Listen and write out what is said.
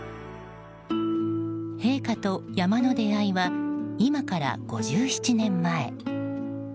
陛下と山の出会いは今から５７年前。